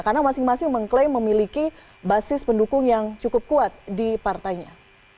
karena masing masing mengklaim memiliki basis pendukung yang cukup kuat di partainya